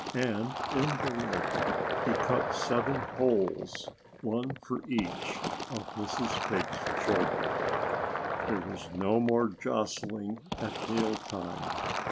And in the lid he cut seven holes one for each of Mrs. Pig's children. There was no more jostling at meal time.